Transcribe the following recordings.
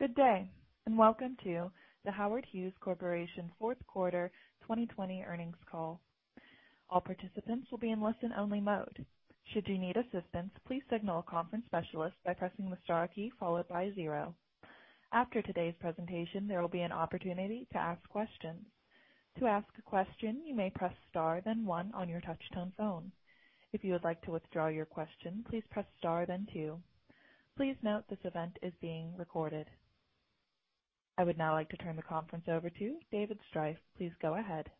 Good day, and welcome to The Howard Hughes Corporation Fourth Quarter 2020 Earnings Call. All participants will be in listen only mode. Should you need assistance, please signal a conference specialist by pressing the star key, followed by zero. After today's presentation, there will be an opportunity to ask questions. To ask a question, you may press star, then one on your touchtone phone. If you would like to withdraw your question, please press star, then two. Please note this event is being recorded. I would now like to turn the conference over to David Striph. Please go ahead.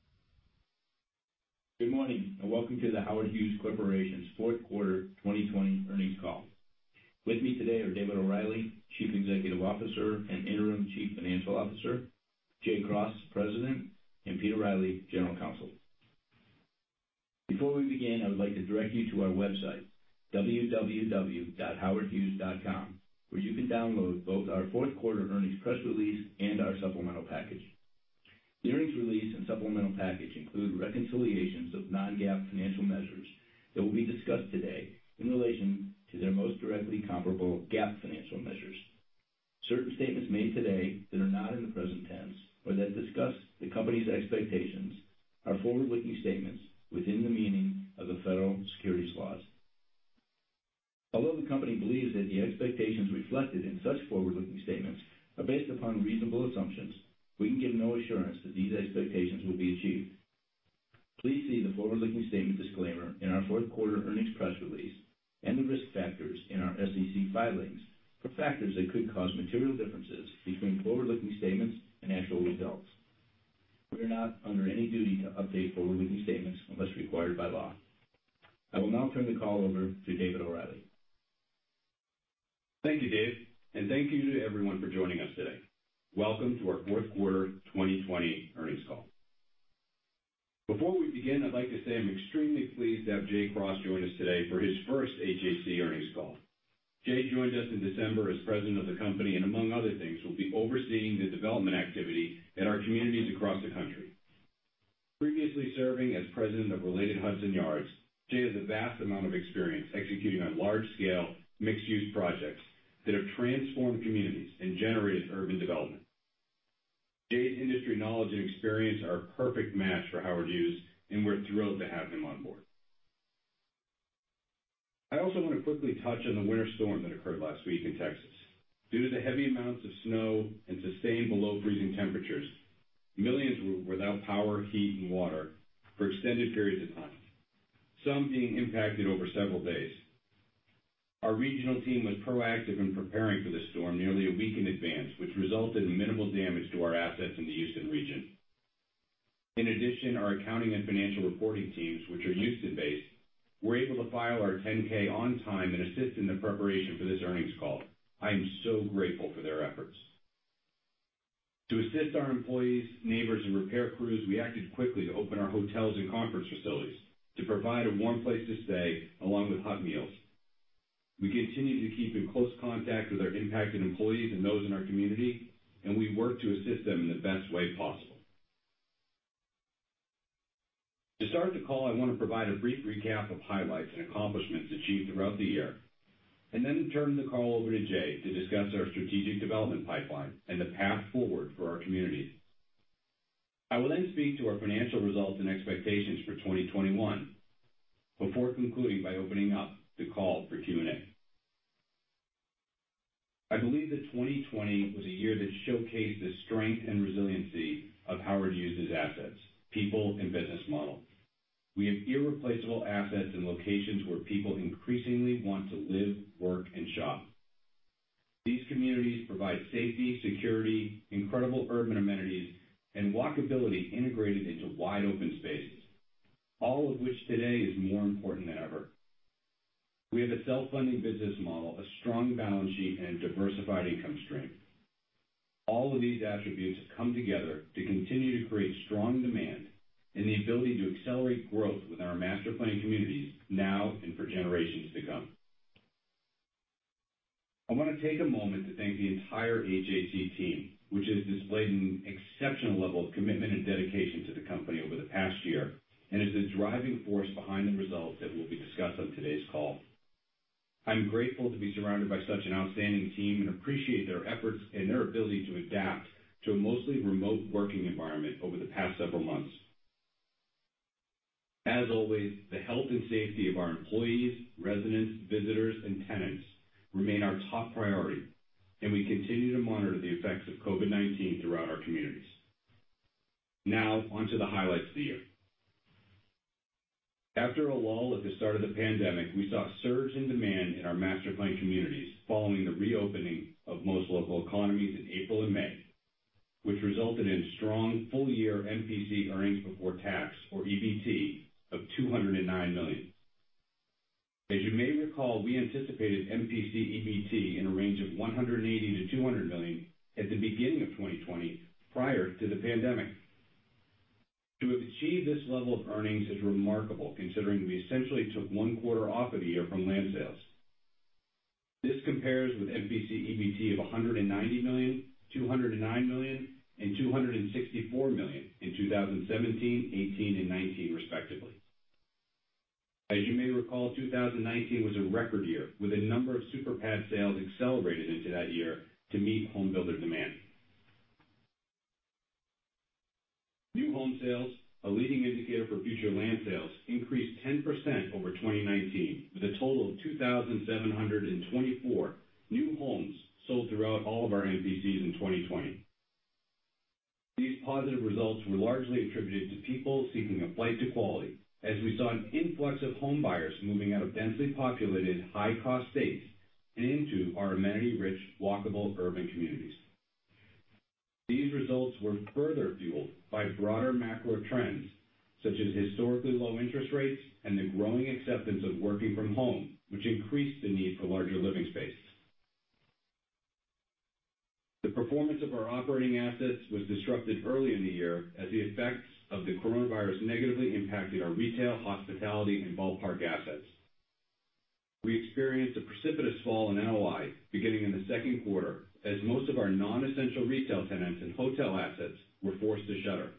Good morning, and welcome to The Howard Hughes Corporation's Fourth Quarter 2020 Earnings Call. With me today are David O'Reilly, Chief Executive Officer and Interim Chief Financial Officer, Jay Cross, President, and Peter Riley, General Counsel. Before we begin, I would like to direct you to our website, www.howardhughes.com, where you can download both our fourth quarter earnings press release and our supplemental package. The earnings release and supplemental package include reconciliations of non-GAAP financial measures that will be discussed today in relation to their most directly comparable GAAP financial measures. Certain statements made today that are not in the present tense, or that discuss the company's expectations are forward-looking statements within the meaning of the federal securities laws. Although the company believes that the expectations reflected in such forward-looking statements are based upon reasonable assumptions, we can give no assurance that these expectations will be achieved. Please see the forward-looking statements disclaimer in our fourth quarter earnings press release and the risk factors in our SEC filings for factors that could cause material differences between forward-looking statements and actual results. We are not under any duty to update forward-looking statements unless required by law. I will now turn the call over to David O'Reilly. Thank you, Dave. Thank you to everyone for joining us today. Welcome to our fourth quarter 2020 earnings call. Before we begin, I'd like to say I'm extremely pleased to have Jay Cross join us today for his first HHC earnings call. Jay joined us in December as president of the company, and among other things, will be overseeing the development activity in our communities across the country. Previously serving as president of Related Hudson Yards, Jay has a vast amount of experience executing on large-scale, mixed-use projects that have transformed communities and generated urban development. Jay's industry knowledge and experience are a perfect match for Howard Hughes, and we're thrilled to have him on board. I also want to quickly touch on the winter storm that occurred last week in Texas. Due to the heavy amounts of snow and sustained below freezing temperatures, millions were without power, heat, and water for extended periods of time, some being impacted over several days. Our regional team was proactive in preparing for this storm nearly a week in advance, which resulted in minimal damage to our assets in the Houston region. In addition, our accounting and financial reporting teams, which are Houston-based, were able to file our 10-K on time and assist in the preparation for this earnings call. I am so grateful for their efforts. To assist our employees, neighbors, and repair crews, we acted quickly to open our hotels and conference facilities to provide a warm place to stay, along with hot meals. We continue to keep in close contact with our impacted employees and those in our community, and we work to assist them in the best way possible. To start the call, I want to provide a brief recap of highlights and accomplishments achieved throughout the year, and then turn the call over to Jay to discuss our strategic development pipeline and the path forward for our communities. I will speak to our financial results and expectations for 2021 before concluding by opening up the call for Q&A. I believe that 2020 was a year that showcased the strength and resiliency of Howard Hughes' assets, people, and business model. We have irreplaceable assets in locations where people increasingly want to live, work, and shop. These communities provide safety, security, incredible urban amenities, and walkability integrated into wide-open spaces. All of which today is more important than ever. We have a self-funding business model, a strong balance sheet, and a diversified income stream. All of these attributes have come together to continue to create strong demand and the ability to accelerate growth with our master-planned communities now and for generations to come. I want to take a moment to thank the entire HHC team, which has displayed an exceptional level of commitment and dedication to the company over the past year and is the driving force behind the results that will be discussed on today's call. I'm grateful to be surrounded by such an outstanding team and appreciate their efforts and their ability to adapt to a mostly remote working environment over the past several months. As always, the health and safety of our employees, residents, visitors, and tenants remain our top priority, and we continue to monitor the effects of COVID-19 throughout our communities. Now on to the highlights of the year. After a lull at the start of the pandemic, we saw a surge in demand in our master-planned communities following the reopening of most local economies in April and May, which resulted in strong full-year MPC earnings before tax, or EBT, of $209 million. As you may recall, we anticipated MPC EBT in a range of $180 million-$200 million at the beginning of 2020, prior to the pandemic. To have achieved this level of earnings is remarkable considering we essentially took one quarter off of the year from land sales. This compares with MPC EBT of $190 million, $209 million, and $264 million in 2017, 2018, and 2019 respectively. As you may recall, 2019 was a record year, with a number of super pad sales accelerated into that year to meet home builder demand. New home sales, a leading indicator for future land sales, increased 10% over 2019, with a total of 2,724 new homes sold throughout all of our MPCs in 2020. These positive results were largely attributed to people seeking a flight to quality, as we saw an influx of home buyers moving out of densely populated, high-cost states and into our amenity-rich, walkable urban communities. These results were further fueled by broader macro trends, such as historically low interest rates and the growing acceptance of working from home, which increased the need for larger living space. The performance of our operating assets was disrupted early in the year as the effects of the coronavirus negatively impacted our retail, hospitality, and ballpark assets. We experienced a precipitous fall in NOI beginning in the second quarter as most of our non-essential retail tenants and hotel assets were forced to shutter.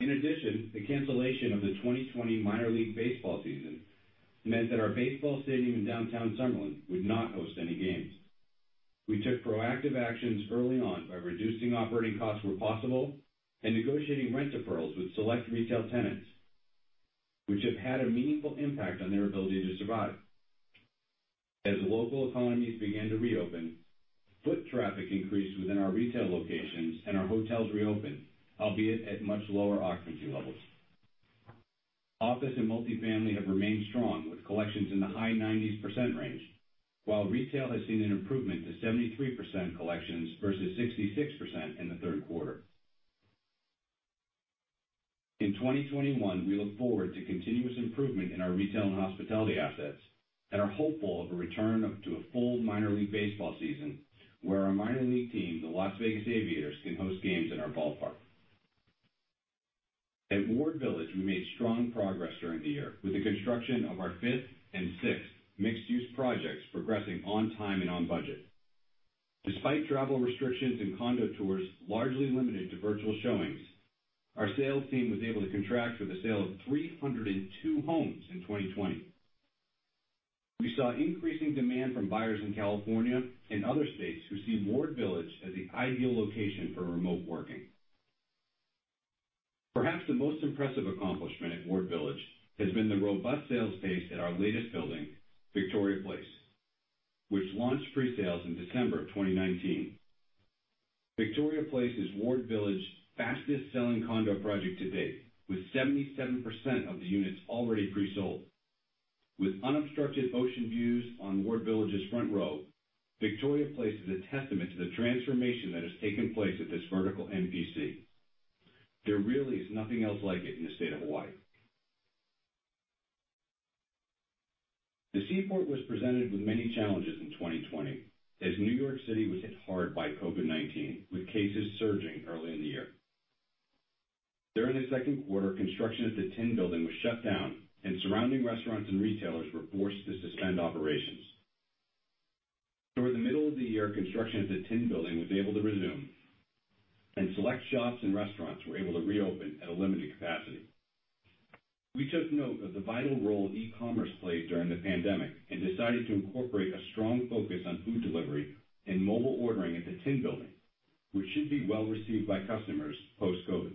In addition, the cancellation of the 2020 Minor League Baseball season meant that our baseball stadium in Downtown Summerlin would not host any games. We took proactive actions early on by reducing operating costs where possible and negotiating rent deferrals with select retail tenants, which have had a meaningful impact on their ability to survive. As local economies began to reopen, foot traffic increased within our retail locations, and our hotels reopened, albeit at much lower occupancy levels. Office and multifamily have remained strong, with collections in the high 90s percent range, while retail has seen an improvement to 73% collections versus 66% in the third quarter. In 2021, we look forward to continuous improvement in our retail and hospitality assets and are hopeful of a return to a full Minor League Baseball season where our minor league team, the Las Vegas Aviators, can host games in our ballpark. At Ward Village, we made strong progress during the year, with the construction of our fifth and sixth mixed-use projects progressing on time and on budget. Despite travel restrictions and condo tours largely limited to virtual showings, our sales team was able to contract for the sale of 302 homes in 2020. We saw increasing demand from buyers in California and other states who see Ward Village as the ideal location for remote working. Perhaps the most impressive accomplishment at Ward Village has been the robust sales pace at our latest building, Victoria Place, which launched pre-sales in December of 2019. Victoria Place is Ward Village's fastest-selling condo project to date, with 77% of the units already pre-sold. With unobstructed ocean views on Ward Village's front row, Victoria Place is a testament to the transformation that has taken place at this vertical MPC. There really is nothing else like it in the state of Hawaii. The Seaport was presented with many challenges in 2020 as New York City was hit hard by COVID-19, with cases surging early in the year. During the second quarter, construction at the Tin Building was shut down, and surrounding restaurants and retailers were forced to suspend operations. Toward the middle of the year, construction at the Tin Building was able to resume, and select shops and restaurants were able to reopen at a limited capacity. We took note of the vital role e-commerce played during the pandemic and decided to incorporate a strong focus on food delivery and mobile ordering at the Tin Building, which should be well received by customers post-COVID.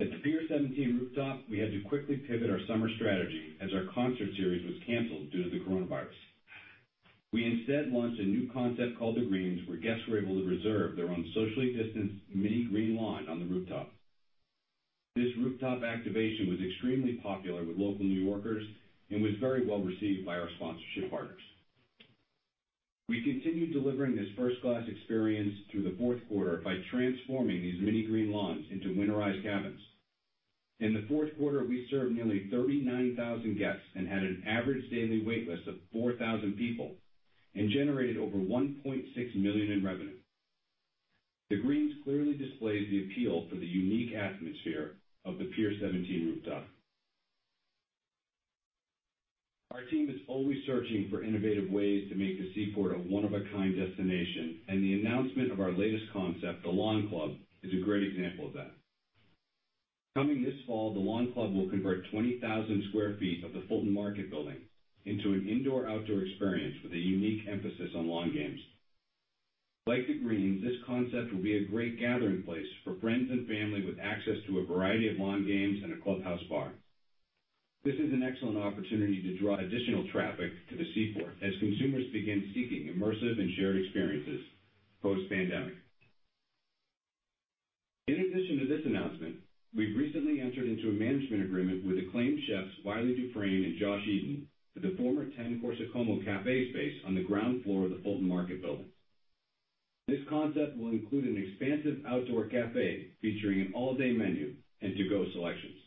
At the Pier 17 Rooftop, we had to quickly pivot our summer strategy as our concert series was canceled due to the coronavirus. We instead launched a new concept called The Greens, where guests were able to reserve their own socially distanced mini green lawn on the rooftop. This rooftop activation was extremely popular with local New Yorkers and was very well received by our sponsorship partners. We continued delivering this first-class experience through the fourth quarter by transforming these mini green lawns into winterized cabins. In the fourth quarter, we served nearly 39,000 guests and had an average daily wait list of 4,000 people and generated over $1.6 million in revenue. The Greens clearly displays the appeal for the unique atmosphere of the Pier 17 Rooftop. Our team is always searching for innovative ways to make the Seaport a one-of-a-kind destination, and the announcement of our latest concept, The Lawn Club, is a great example of that. Coming this fall, The Lawn Club will convert 20,000 sq ft of the Fulton Market building into an indoor-outdoor experience with a unique emphasis on lawn games. Like The Greens, this concept will be a great gathering place for friends and family with access to a variety of lawn games and a clubhouse bar. This is an excellent opportunity to draw additional traffic to the Seaport as consumers begin seeking immersive and shared experiences post-pandemic. In addition to this announcement, we've recently entered into a management agreement with acclaimed chefs Wylie Dufresne and Josh Eden for the former 10 Corso Como cafe space on the ground floor of the Fulton Market building. This concept will include an expansive outdoor cafe featuring an all-day menu and to-go selections.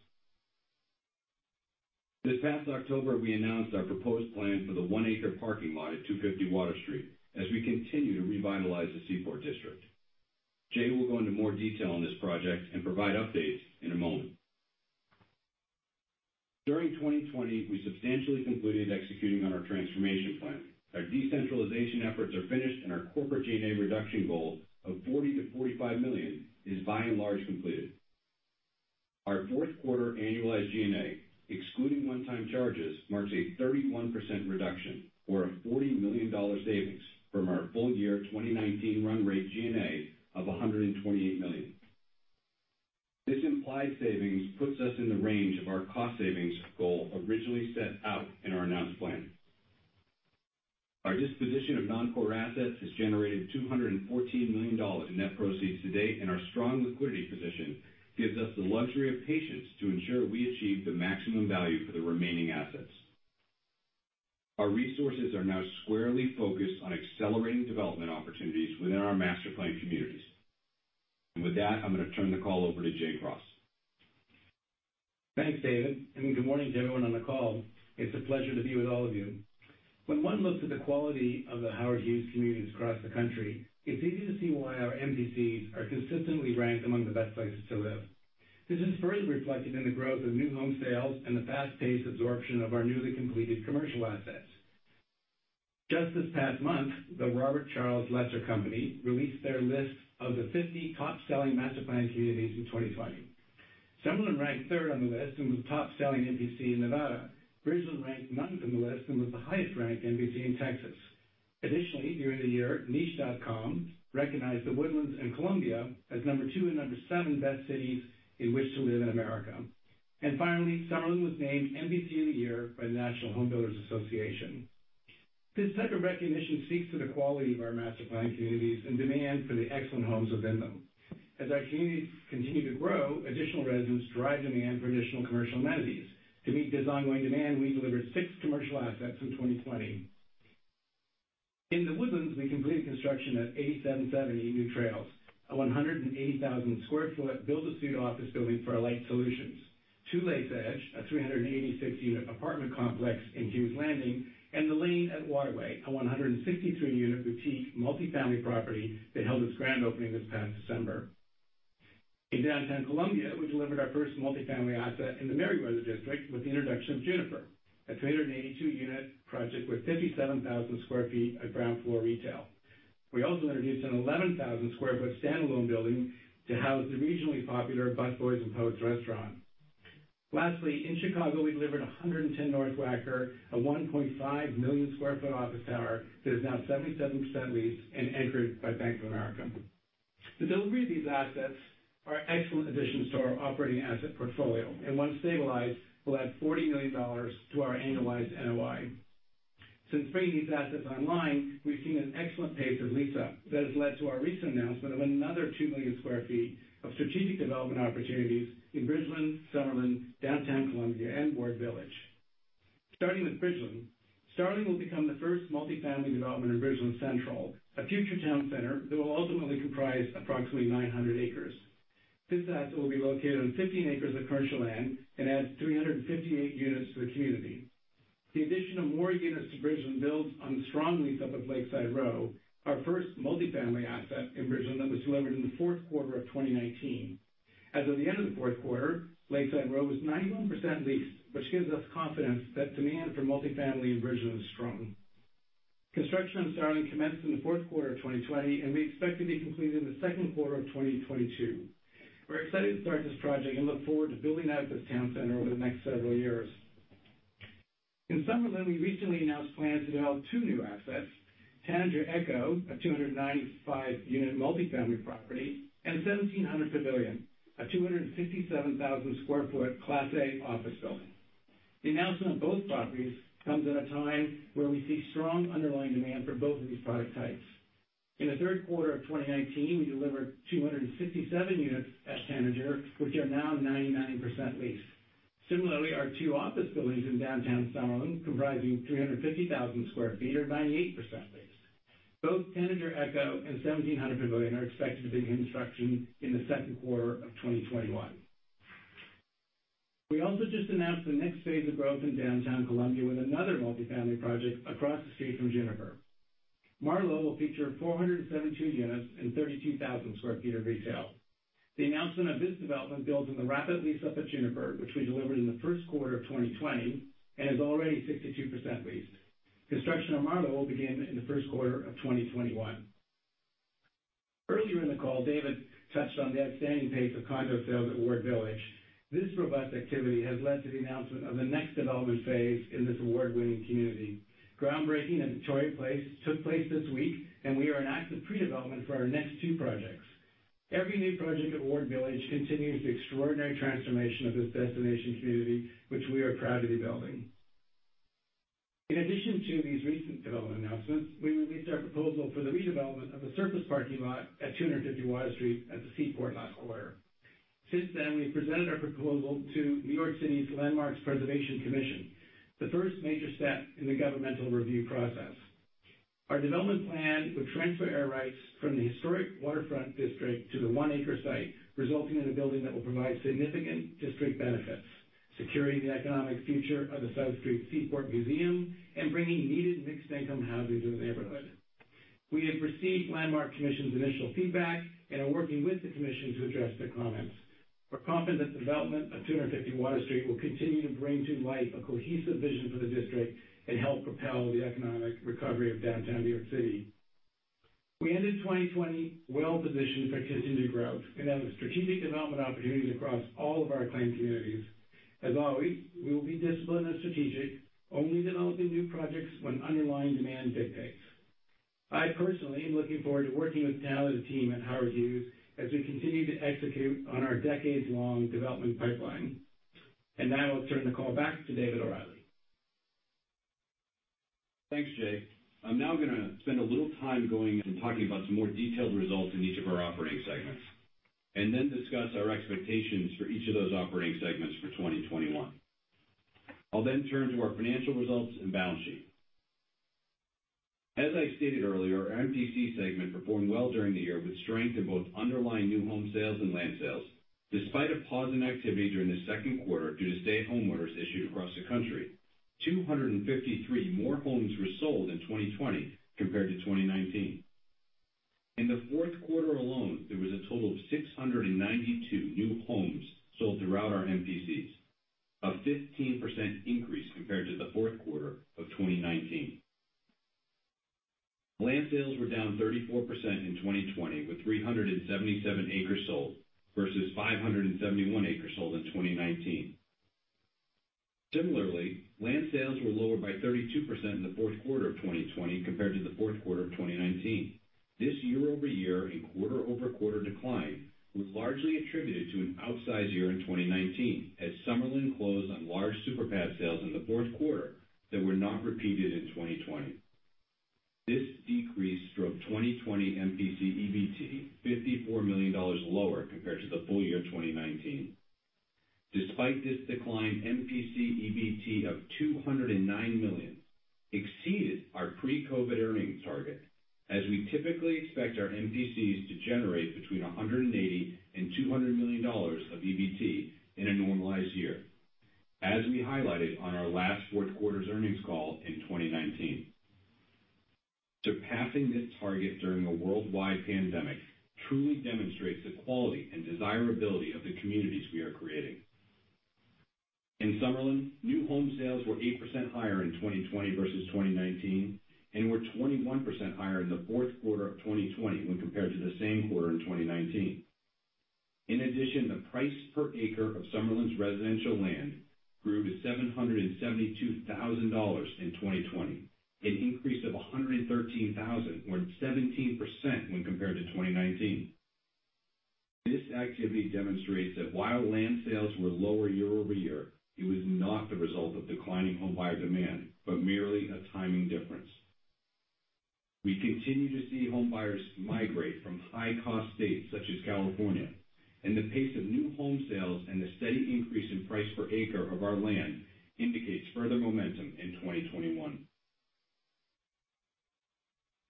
This past October, we announced our proposed plan for the one-acre parking lot at 250 Water Street as we continue to revitalize the Seaport District. Jay will go into more detail on this project and provide updates in a moment. During 2020, we substantially completed executing on our transformation plan. Our decentralization efforts are finished, and our corporate G&A reduction goal of $40 million-$45 million is by and large completed. Our fourth quarter annualized G&A, excluding one-time charges, marks a 31% reduction or a $40 million savings from our full year 2019 run rate G&A of $128 million. This implied savings puts us in the range of our cost savings goal originally set out in our announced plan. Our disposition of non-core assets has generated $214 million in net proceeds to date, and our strong liquidity position gives us the luxury of patience to ensure we achieve the maximum value for the remaining assets. Our resources are now squarely focused on accelerating development opportunities within our master-planned communities. With that, I'm going to turn the call over to Jay Cross. Thanks, David. Good morning to everyone on the call. It's a pleasure to be with all of you. When one looks at the quality of The Howard Hughes communities across the country, it's easy to see why our MPCs are consistently ranked among the best places to live. This is further reflected in the growth of new home sales and the fast-paced absorption of our newly completed commercial assets. Just this past month, the Robert Charles Lesser Company released their list of the 50 top-selling master-planned communities in 2020. Summerlin ranked third on the list and was the top-selling MPC in Nevada. Bridgeland ranked ninth on the list and was the highest-ranked MPC in Texas. Additionally, during the year, Niche.com recognized The Woodlands and Columbia as number two and number seven best cities in which to live in America. Finally, Summerlin was named MPC of the Year by the National Association of Home Builders. This type of recognition speaks to the quality of our master-planned communities and demand for the excellent homes within them. As our communities continue to grow, additional residents drive demand for additional commercial amenities. To meet this ongoing demand, we delivered six commercial assets in 2020. In the Woodlands, we completed construction at 8770 New Trails, a 180,000 sq ft build-to-suit office building for Alight Solutions. Two Lakes Edge, a 386-unit apartment complex in Hughes Landing, and The Lane at Waterway, a 163-unit boutique multifamily property that held its grand opening this past December. In downtown Columbia, we delivered our first multifamily asset in the Merriweather District with the introduction of Juniper, a 382-unit project with 57,000 sq ft of ground floor retail. We also introduced an 11,000 sq ft standalone building to house the regionally popular Busboys and Poets restaurant. Lastly, in Chicago, we delivered 110 North Wacker, a 1.5 million square feet office tower that is now 77% leased and anchored by Bank of America. The delivery of these assets are excellent additions to our operating asset portfolio, and once stabilized, will add $40 million to our annualized NOI. Since bringing these assets online, we've seen an excellent pace of lease-up that has led to our recent announcement of another 2 million square feet of strategic development opportunities in Bridgeland, Summerlin, Downtown Columbia, and Ward Village. Starting with Bridgeland. Starling will become the first multifamily development in Bridgeland Central, a future town center that will ultimately comprise approximately 900 acres. This asset will be located on 15 acres of commercial land and adds 358 units to the community. The addition of more units to Bridgeland builds on the strong lease-up of Lakeside Row, our first multifamily asset in Bridgeland that was delivered in the fourth quarter of 2019. As of the end of the fourth quarter, Lakeside Row was 91% leased, which gives us confidence that demand for multifamily in Bridgeland is strong. Construction on Starling commenced in the fourth quarter of 2020, and we expect to be complete in the second quarter of 2022. We're excited to start this project and look forward to building out this town center over the next several years. In Summerlin, we recently announced plans to develop two new assets, Tanager Echo, a 295-unit multifamily property, and 1700 Pavilion, a 267,000 sq ft Class A office building. The announcement of both properties comes at a time where we see strong underlying demand for both of these product types. In the third quarter of 2019, we delivered 267 units at Tanager, which are now 99% leased. Similarly, our two office buildings in Downtown Summerlin, comprising 350,000 square feet, are 98% leased. Both Tanager Echo and 1700 Pavilion are expected to begin construction in the second quarter of 2021. We also just announced the next phase of growth in Downtown Columbia with another multifamily project across the street from Juniper. Marlow will feature 472 units and 32,000 sq ft of retail. The announcement of this development builds on the rapid lease-up at Juniper, which we delivered in the first quarter of 2020 and is already 62% leased. Construction on Marlow will begin in the first quarter of 2021. Earlier in the call, David touched on the outstanding pace of condo sales at Ward Village. This robust activity has led to the announcement of the next development phase in this award-winning community. Groundbreaking at Victoria Place took place this week, and we are in active pre-development for our next two projects. Every new project at Ward Village continues the extraordinary transformation of this destination community, which we are proud to be building. In addition to these recent development announcements, we released our proposal for the redevelopment of the surface parking lot at 250 Water Street at the Seaport last quarter. Since then, we presented our proposal to New York City's Landmarks Preservation Commission, the first major step in the governmental review process. Our development plan would transfer air rights from the historic waterfront district to the one-acre site, resulting in a building that will provide significant district benefits, securing the economic future of the South Street Seaport Museum, and bringing needed mixed-income housing to the neighborhood. We have received Landmark Commission's initial feedback and are working with the commission to address their comments. We're confident that development of 250 Water Street will continue to bring to life a cohesive vision for the district and help propel the economic recovery of downtown New York City. We ended 2020 well-positioned for continued growth and have strategic development opportunities across all of our planned communities. As always, we will be disciplined and strategic, only developing new projects when underlying demand dictates. I personally am looking forward to working with the talented team at Howard Hughes as we continue to execute on our decades-long development pipeline. Now I'll turn the call back to David O'Reilly. Thanks, Jay. I'm now going to spend a little time going and talking about some more detailed results in each of our operating segments, and then discuss our expectations for each of those operating segments for 2021. Turn to our financial results and balance sheet. As I stated earlier, our MPC segment performed well during the year with strength in both underlying new home sales and land sales. Despite a pause in activity during the second quarter due to stay-at-home orders issued across the country, 253 more homes were sold in 2020 compared to 2019. In the fourth quarter alone, there was a total of 692 new homes sold throughout our MPCs, a 15% increase compared to the fourth quarter of 2019. Land sales were down 34% in 2020, with 377 acres sold versus 571 acres sold in 2019. Similarly, land sales were lower by 32% in the fourth quarter of 2020 compared to the fourth quarter of 2019. This year-over-year and quarter-over-quarter decline was largely attributed to an outsized year in 2019, as Summerlin closed on large super pad sales in the fourth quarter that were not repeated in 2020. This decrease drove 2020 MPC EBT $54 million lower compared to the full year 2019. Despite this decline, MPC EBT of $209 million exceeded our pre-COVID-19 earnings target, as we typically expect our MPCs to generate between $180 million and $200 million of EBT in a normalized year, as we highlighted on our last fourth quarter's earnings call in 2019. Surpassing this target during a worldwide pandemic truly demonstrates the quality and desirability of the communities we are creating. In Summerlin, new home sales were 8% higher in 2020 versus 2019, and were 21% higher in the fourth quarter of 2020 when compared to the same quarter in 2019. In addition, the price per acre of Summerlin's residential land grew to $772,000 in 2020, an increase of $113,000 or 17% when compared to 2019. This activity demonstrates that while land sales were lower year-over-year, it was not the result of declining homebuyer demand, but merely a timing difference. We continue to see homebuyers migrate from high-cost states such as California, and the pace of new home sales and the steady increase in price per acre of our land indicates further momentum in 2021.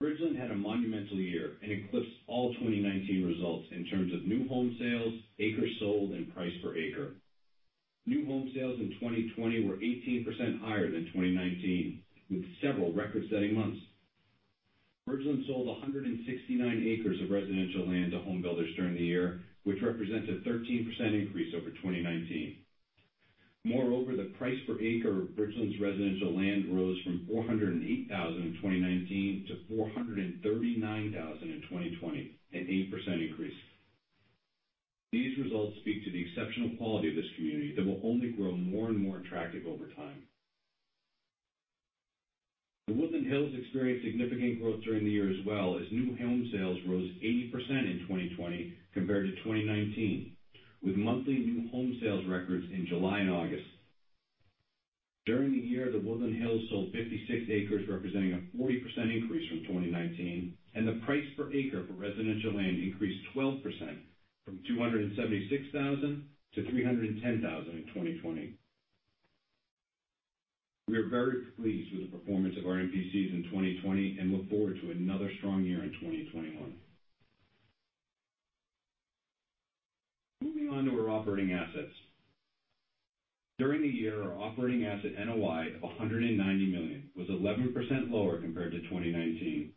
Bridgeland had a monumental year and eclipsed all 2019 results in terms of new home sales, acres sold, and price per acre. New home sales in 2020 were 18% higher than 2019, with several record-setting months. Bridgeland sold 169 acres of residential land to home builders during the year, which represents a 13% increase over 2019. Moreover, the price per acre of Bridgeland's residential land rose from $408,000 in 2019 to $439,000 in 2020, an 8% increase. These results speak to the exceptional quality of this community that will only grow more and more attractive over time. The Woodlands Hills experienced significant growth during the year as well as new home sales rose 80% in 2020 compared to 2019, with monthly new home sales records in July and August. During the year, The Woodlands Hills sold 56 acres, representing a 40% increase from 2019, and the price per acre for residential land increased 12%, from $276,000 to $310,000 in 2020. We are very pleased with the performance of our MPCs in 2020 and look forward to another strong year in 2021. Moving on to our operating assets. During the year, our operating asset NOI of $190 million was 11% lower compared to 2019.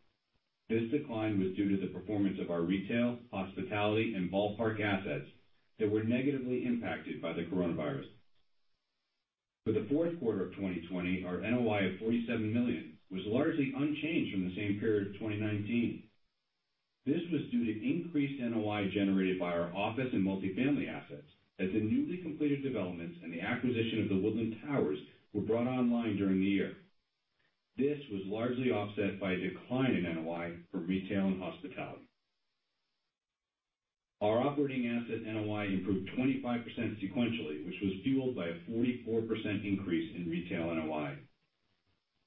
This decline was due to the performance of our retail, hospitality, and ballpark assets that were negatively impacted by the COVID-19. For the fourth quarter of 2020, our NOI of $47 million was largely unchanged from the same period of 2019. This was due to increased NOI generated by our office and multifamily assets as the newly completed developments and the acquisition of The Woodlands Towers were brought online during the year. This was largely offset by a decline in NOI for retail and hospitality. Our operating asset NOI improved 25% sequentially, which was fueled by a 44% increase in retail NOI.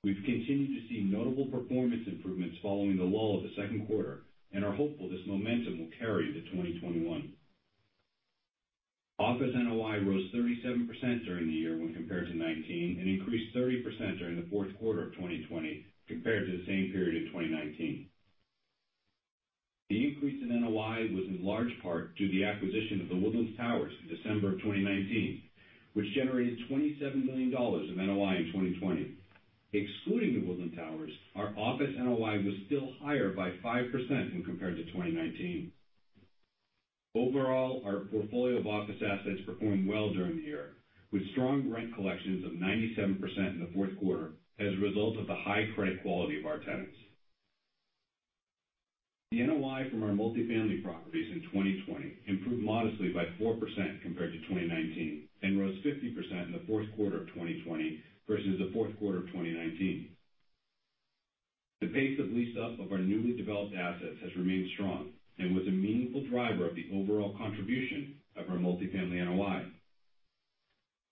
We've continued to see notable performance improvements following the lull of the second quarter and are hopeful this momentum will carry to 2021. Office NOI rose 37% during the year when compared to 2019, and increased 30% during the fourth quarter of 2020 compared to the same period in 2019. The increase in NOI was in large part due to the acquisition of The Woodlands Towers in December of 2019, which generated $27 million of NOI in 2020. Excluding The Woodlands Towers, our office NOI was still higher by 5% when compared to 2019. Overall, our portfolio of office assets performed well during the year, with strong rent collections of 97% in the fourth quarter as a result of the high credit quality of our tenants. The NOI from our multifamily properties in 2020 improved modestly by 4% compared to 2019 and rose 50% in the fourth quarter of 2020 versus the fourth quarter of 2019. The pace of lease-up of our newly developed assets has remained strong and was a meaningful driver of the overall contribution of our multifamily NOI.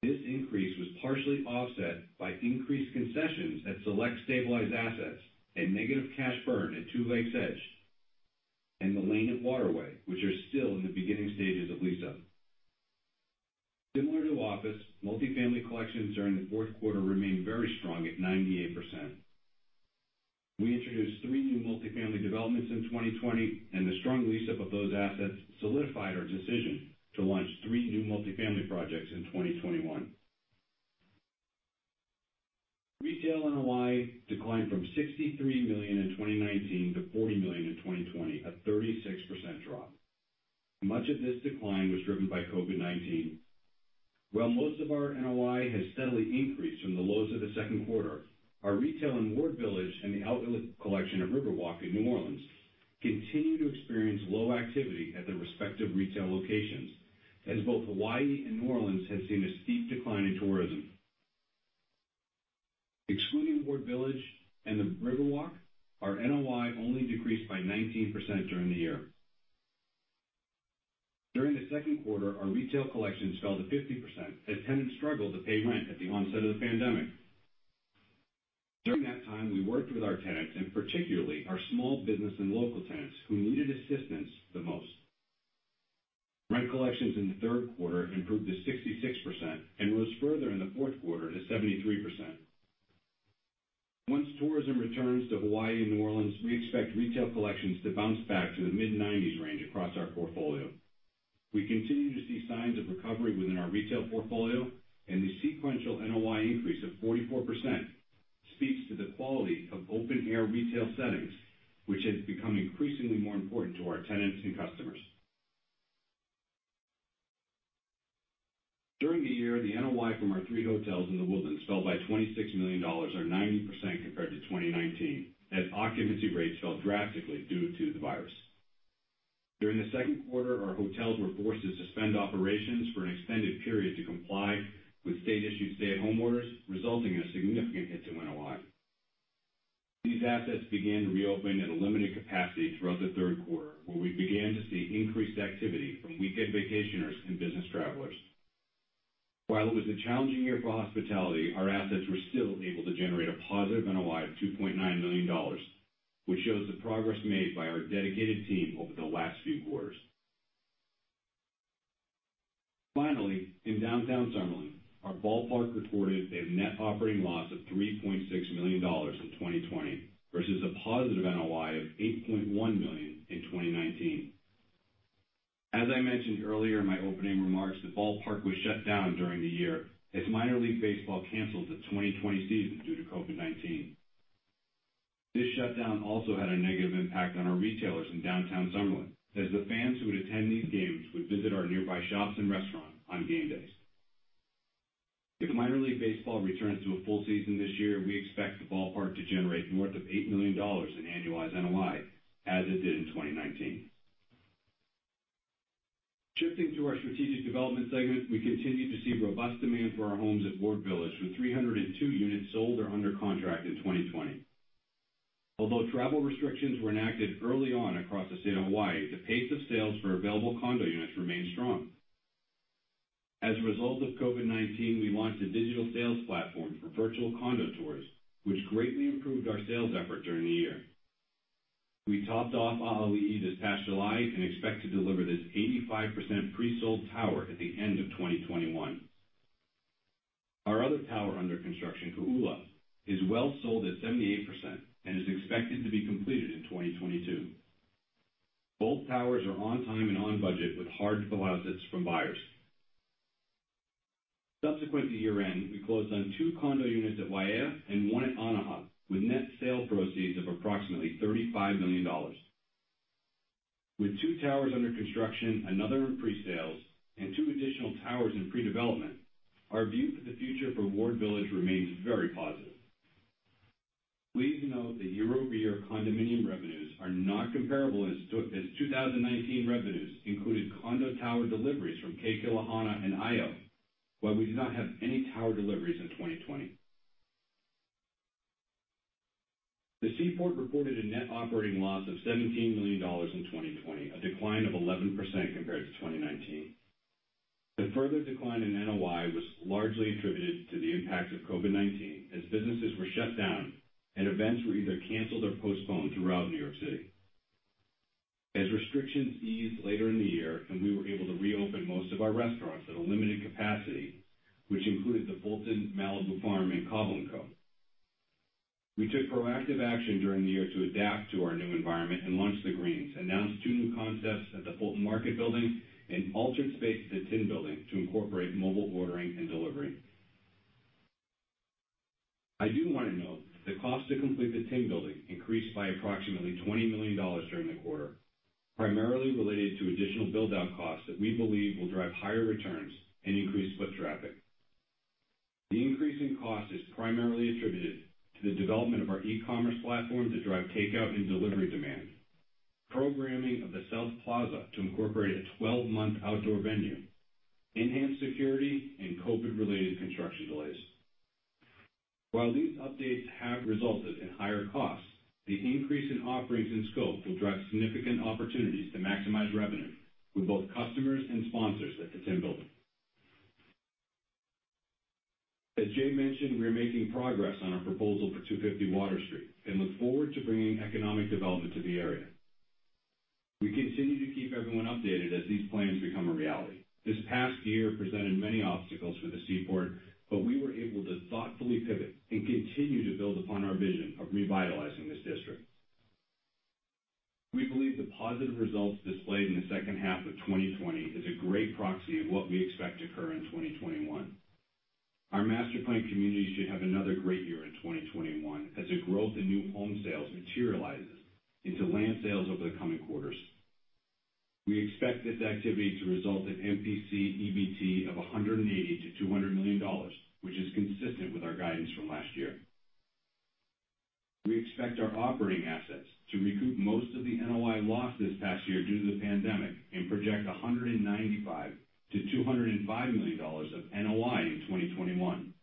This increase was partially offset by increased concessions at select stabilized assets and negative cash burn at Two Lakes Edge and The Lane at Waterway, which are still in the beginning stages of lease-up. Similar to office, multifamily collections during the fourth quarter remained very strong at 98%. We introduced three new multifamily developments in 2020, and the strong lease-up of those assets solidified our decision to launch three new multifamily projects in 2021. Retail NOI declined from $63 million in 2019 to $40 million in 2020, a 36% drop. Much of this decline was driven by COVID-19. While most of our NOI has steadily increased from the lows of the second quarter, our retail in Ward Village and the Outlet Collection at Riverwalk in New Orleans continue to experience low activity at their respective retail locations, as both Hawaii and New Orleans have seen a steep decline in tourism. Excluding Ward Village and the Riverwalk, our NOI only decreased by 19% during the year. During the second quarter, our retail collections fell to 50% as tenants struggled to pay rent at the onset of the pandemic. During that time, we worked with our tenants, and particularly our small business and local tenants, who needed assistance the most. Rent collections in the third quarter improved to 66% and rose further in the fourth quarter to 73%. Once tourism returns to Hawaii and New Orleans, we expect retail collections to bounce back to the mid-90s range across our portfolio. The sequential NOI increase of 44% speaks to the quality of open-air retail settings, which has become increasingly more important to our tenants and customers. During the year, the NOI from our three hotels in The Woodlands fell by $26 million, or 90% compared to 2019, as occupancy rates fell drastically due to the virus. During the second quarter, our hotels were forced to suspend operations for an extended period to comply with state-issued stay-at-home orders, resulting in a significant hit to NOI. These assets began to reopen at a limited capacity throughout the third quarter, where we began to see increased activity from weekend vacationers and business travelers. While it was a challenging year for hospitality, our assets were still able to generate a positive NOI of $2.9 million, which shows the progress made by our dedicated team over the last few quarters. Finally, in Downtown Summerlin, our ballpark reported a net operating loss of $3.6 million in 2020 versus a positive NOI of $8.1 million in 2019. As I mentioned earlier in my opening remarks, the ballpark was shut down during the year as Minor League Baseball canceled the 2020 season due to COVID-19. This shutdown also had a negative impact on our retailers in Downtown Summerlin, as the fans who would attend these games would visit our nearby shops and restaurant on game days. If Minor League Baseball returns to a full season this year, we expect the ballpark to generate north of $8 million in annualized NOI as it did in 2019. Shifting to our strategic development segment, we continue to see robust demand for our homes at Ward Village, with 302 units sold or under contract in 2020. Although travel restrictions were enacted early on across the state of Hawaii, the pace of sales for available condo units remained strong. As a result of COVID-19, we launched a digital sales platform for virtual condo tours, which greatly improved our sales effort during the year. We topped off ʻAʻaliʻi this past July and expect to deliver this 85% pre-sold tower at the end of 2021. Our other tower under construction, Kōʻula, is well sold at 78% and is expected to be completed in 2022. Both towers are on time and on budget with hard deposits from buyers. Subsequent to year-end, we closed on two condo units at Waiea and one at Anaha, with net sale proceeds of approximately $35 million. With two towers under construction, another in pre-sales, and two additional towers in pre-development, our view for the future for Ward Village remains very positive. Please note that year-over-year condominium revenues are not comparable as 2019 revenues included condo tower deliveries from Ke Kilohana and Ae'o, while we do not have any tower deliveries in 2020. The Seaport reported a net operating loss of $17 million in 2020, a decline of 11% compared to 2019. The further decline in NOI was largely attributed to the impacts of COVID-19, as businesses were shut down and events were either canceled or postponed throughout New York City. As restrictions eased later in the year and we were able to reopen most of our restaurants at a limited capacity, which included The Fulton, Malibu Farm, and Cobble & Co. We took proactive action during the year to adapt to our new environment and launched The Greens, announced two new concepts at the Fulton Market building, and altered spaces at Tin Building to incorporate mobile ordering and delivery. I do want to note that costs to complete the Tin Building increased by approximately $20 million during the quarter, primarily related to additional build-out costs that we believe will drive higher returns and increase foot traffic. The increase in cost is primarily attributed to the development of our e-commerce platform to drive takeout and delivery demand, programming of the South Plaza to incorporate a 12-month outdoor venue, enhanced security, and COVID-related construction delays. While these updates have resulted in higher costs, the increase in offerings and scope will drive significant opportunities to maximize revenue with both customers and sponsors at the Tin Building. As Jay mentioned, we are making progress on our proposal for 250 Water Street and look forward to bringing economic development to the area. We continue to keep everyone updated as these plans become a reality. This past year presented many obstacles for the Seaport, but we were able to thoughtfully pivot and continue to build upon our vision of revitalizing this district. We believe the positive results displayed in the second half of 2020 is a great proxy of what we expect to occur in 2021. Our master-planned community should have another great year in 2021 as the growth in new home sales materializes into land sales over the coming quarters. We expect this activity to result in MPC EBT of $180 million-$200 million, which is consistent with our guidance from last year. We expect our operating assets to recoup most of the NOI loss this past year due to the pandemic and project $195 million-$205 million of NOI in 2021.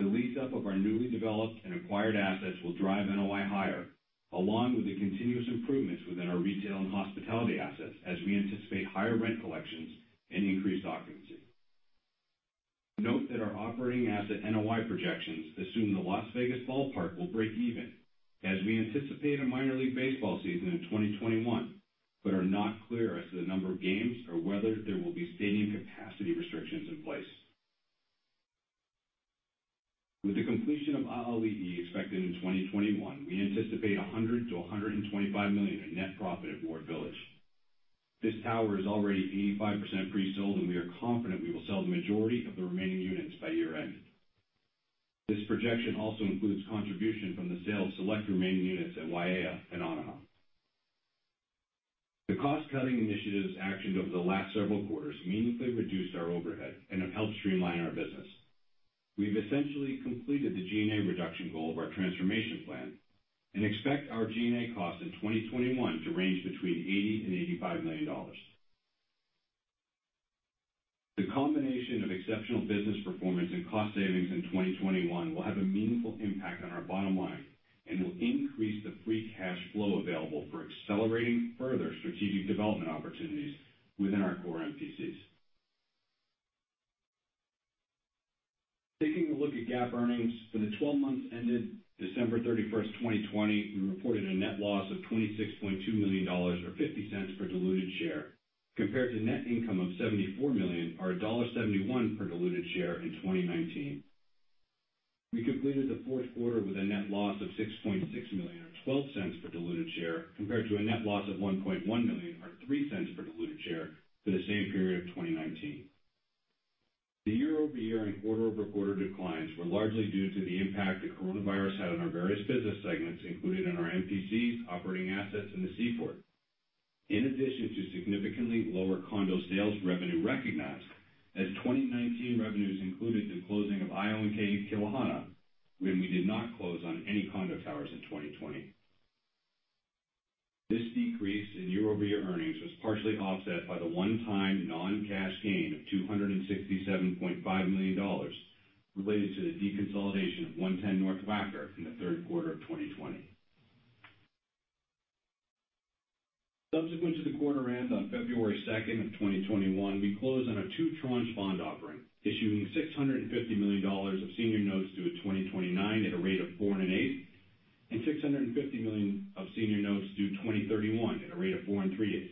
The lease up of our newly developed and acquired assets will drive NOI higher, along with the continuous improvements within our retail and hospitality assets as we anticipate higher rent collections and increased occupancy. Note that our operating asset NOI projections assume the Las Vegas ballpark will break even, as we anticipate a Minor League Baseball season in 2021, but are not clear as to the number of games or whether there will be stadium capacity restrictions in place. With the completion of ʻAʻaliʻi expected in 2021, we anticipate $100 million-$125 million in net profit at Ward Village. This tower is already 85% pre-sold, and we are confident we will sell the majority of the remaining units by year-end. This projection also includes contribution from the sale of select remaining units at Waiea and ʻAnaha. The cost-cutting initiatives actioned over the last several quarters meaningfully reduced our overhead and have helped streamline our business. We've essentially completed the G&A reduction goal of our transformation plan and expect our G&A costs in 2021 to range between $80 million and $85 million. The combination of exceptional business performance and cost savings in 2021 will have a meaningful impact on our bottom line and will increase the free cash flow available for accelerating further strategic development opportunities within our core MPCs. Taking a look at GAAP earnings for the 12 months ended December 31st, 2020, we reported a net loss of $26.2 million or $0.50 per diluted share compared to net income of $74 million or $1.71 per diluted share in 2019. We completed the fourth quarter with a net loss of $6.6 million or $0.12 per diluted share compared to a net loss of $1.1 million or $0.03 per diluted share for the same period of 2019. The year-over-year and quarter-over-quarter declines were largely due to the impact that COVID-19 had on our various business segments included in our MPCs operating assets in the Seaport. In addition to significantly lower condo sales revenue recognized as 2019 revenues included the closing of Ae'o and Ke Kilohana, when we did not close on any condo towers in 2020. This decrease in year-over-year earnings was partially offset by the one-time non-cash gain of $267.5 million related to the deconsolidation of 110 North Wacker in the third quarter of 2020. Subsequent to the quarter end on February 2nd of 2021, we closed on a two-tranche bond offering, issuing $650 million of senior notes due in 2029 at a rate of 4.8% and $650 million of senior notes due 2031 at a rate of 4.38%.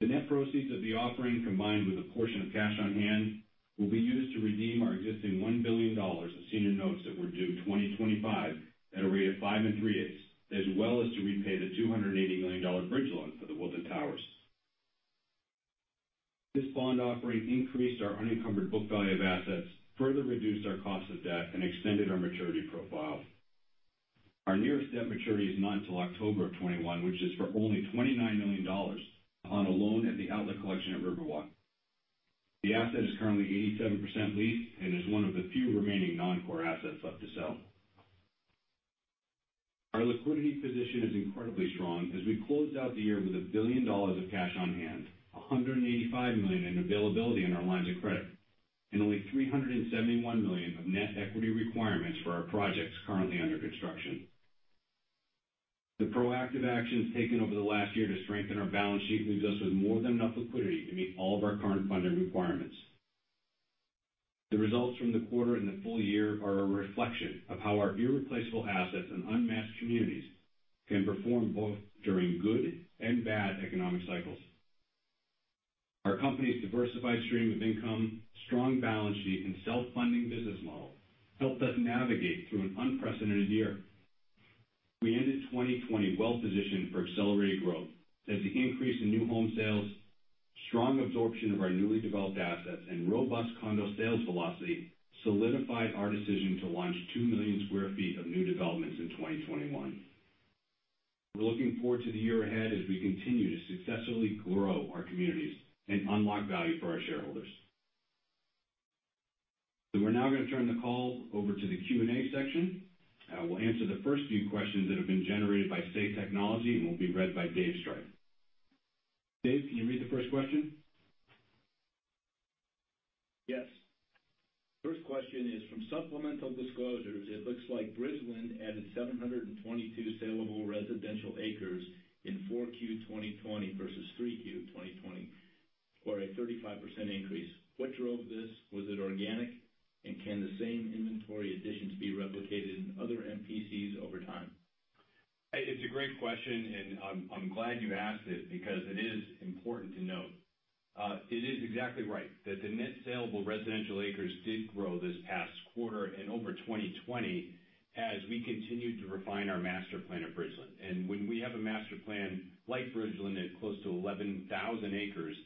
The net proceeds of the offering, combined with a portion of cash on hand, will be used to redeem our existing $1 billion of senior notes that were due 2025 at a rate of 5.38%, as well as to repay the $280 million bridge loan for The Woodlands Towers. This bond offering increased our unencumbered book value of assets, further reduced our cost of debt, and extended our maturity profile. Our nearest debt maturity is not until October of 2021, which is for only $29 million on a loan at the Outlet Collection at Riverwalk. The asset is currently 87% leased and is one of the few remaining non-core assets left to sell. Our liquidity position is incredibly strong as we closed out the year with $1 billion of cash on hand, $185 million in availability on our lines of credit, and only $371 million of net equity requirements for our projects currently under construction. The proactive actions taken over the last year to strengthen our balance sheet leaves us with more than enough liquidity to meet all of our current funding requirements. The results from the quarter and the full year are a reflection of how our irreplaceable assets and unmatched communities can perform both during good and bad economic cycles. Our company's diversified stream of income, strong balance sheet, and self-funding business model helped us navigate through an unprecedented year. We ended 2020 well-positioned for accelerated growth as the increase in new home sales, strong absorption of our newly developed assets, and robust condo sales velocity solidified our decision to launch 2 million square feet of new developments in 2021. We're looking forward to the year ahead as we continue to successfully grow our communities and unlock value for our shareholders. We're now going to turn the call over to the Q&A section. We'll answer the first few questions that have been generated by Say Technologies and will be read by David Striph. David, can you read the first question? Yes. First question is, "From supplemental disclosures, it looks like Bridgeland added 722 saleable residential acres in 4Q 2020 versus 3Q 2020, or a 35% increase. What drove this? Was it organic? Can the same inventory additions be replicated in other MPCs over time? It's a great question, and I'm glad you asked it because it is important to note. It is exactly right, that the net saleable residential acres did grow this past quarter and over 2020 as we continued to refine our master plan at Bridgeland. When we have a master plan like Bridgeland at close to 11,000 acres,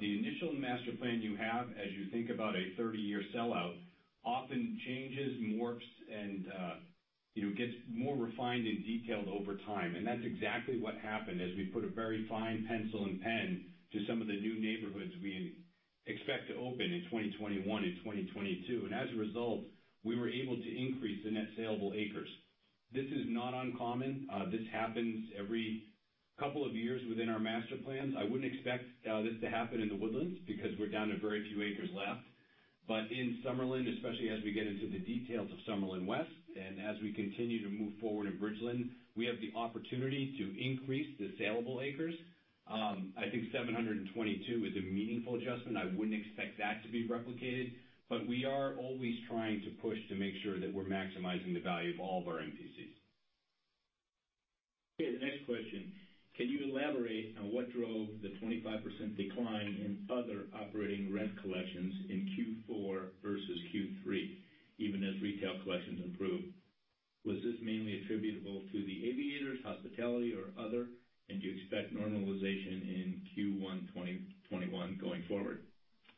the initial master plan you have as you think about a 30-year sellout often changes, morphs, and gets more refined and detailed over time. That's exactly what happened as we put a very fine pencil and pen to some of the new neighborhoods we expect to open in 2021 and 2022. As a result, we were able to increase the net saleable acres. This is not uncommon. This happens every couple of years within our master plans. I wouldn't expect this to happen in The Woodlands because we're down to very few acres left. In Summerlin, especially as we get into the details of Summerlin West, and as we continue to move forward in Bridgeland, we have the opportunity to increase the saleable acres. I think 722 is a meaningful adjustment. I wouldn't expect that to be replicated, but we are always trying to push to make sure that we're maximizing the value of all of our MPCs. Okay, the next question. "Can you elaborate on what drove the 25% decline in other operating rent collections in Q4 versus Q3, even as retail collections improved? Was this mainly attributable to the Aviators, hospitality, or other? Do you expect normalization in Q1 2021 going forward?